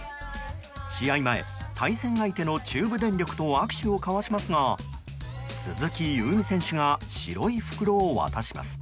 試合前、対戦相手の中部電力と握手を交わしますが鈴木夕湖選手が白い袋を渡します。